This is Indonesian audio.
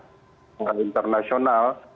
nah ini adalah prinsip profesional